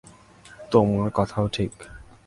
তোমার কথাও ঠিক।